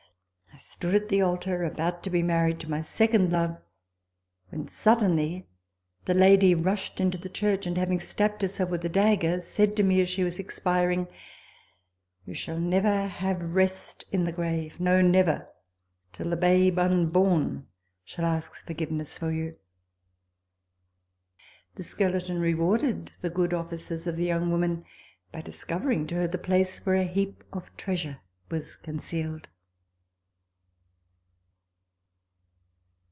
I stood at the altar, about to be married to my second love, when suddenly the lady rushed into the church, and having stabbed herself with a dagger, said to me, as she was expiring, '* You shall never have rest in the grave no, 126 never, till the babe unborn shall ask forgiveness for you" The skeleton rewarded the good offices of the young woman by discovering to her the place where a heap of treasure was concealed.